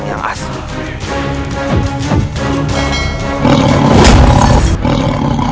dia lebih dekat